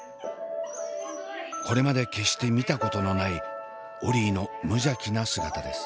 これまで決して見たことのないオリィの無邪気な姿です。